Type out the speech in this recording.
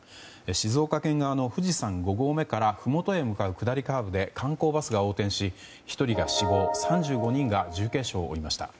静岡県側の富士山５合目からふもとへ向かう下りカーブで観光バスが横転し、１人が死亡３５人が重軽傷を負いました。